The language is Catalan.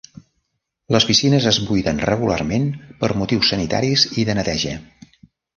Les piscines es buiden regularment per motius sanitaris i de neteja.